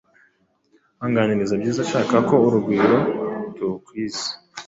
Anganiriza byiza ashaka ko urugwiro turukwiza